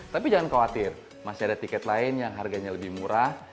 tapi jangan khawatir masih ada tiket lain yang harganya lebih murah